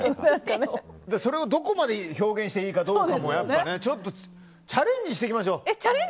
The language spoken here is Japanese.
それをどこまで表現していいかどうかもちょっとチャレンジしていきましょう。